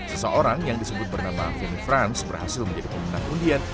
seseorang yang disebut bernama feni franz berhasil menjadi pemenang undian